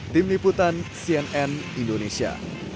tim liputan cnn indonesia